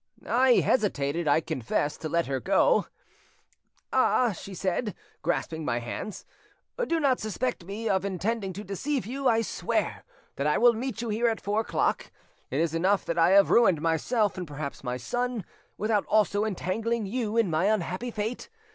I hesitated, I confess, to let her go. 'Ah,' she said, grasping my hands, 'do not suspect me of intending to deceive you! I swear that I will meet you here at four o'clock. It is enough that I have ruined myself, and perhaps my son, without also entangling you in my unhappy fate.